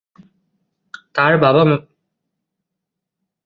তার মা-বাবাও নিজেদের যন্ত্রের ডিজাইন করতেন।